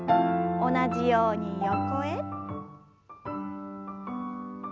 同じように横へ。